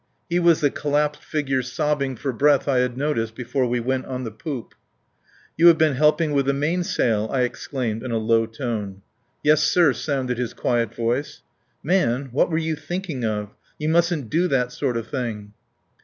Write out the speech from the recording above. He was the collapsed figure sobbing for breath I had noticed before we went on the poop. "You have been helping with the mainsail!" I exclaimed in a low tone. "Yes, sir," sounded his quiet voice. "Man! What were you thinking of? You mustn't do that sort of thing."